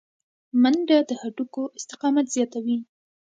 منډه د هډوکو استقامت زیاتوي